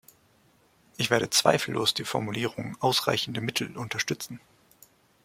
Ich werde zweifellos die Formulierung "ausreichende Mittel" unterstützen.